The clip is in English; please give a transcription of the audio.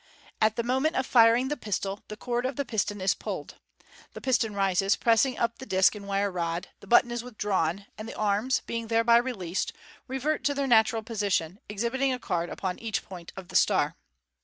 At the moment of firing the pistol the cord of the piston is pulled. The piston rises, pressing up the disc and wire rodr the button is withdrawn, and the arms, being thereby released, revert to their natural position, exhibiting a card upon each point of the star.